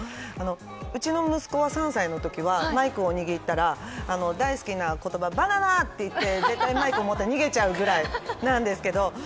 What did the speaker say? うちの息子は３歳のときはマイクを握ったら大好きな言葉、バナナって言ってマイクを握って逃げちゃうくらいなんですけど。